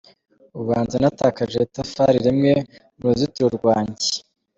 Ubanza natakaje itafari rimwe mu ruzutiro rwanjye.